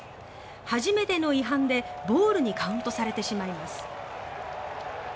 初めての違反で、ボールにカウントされてしまいます。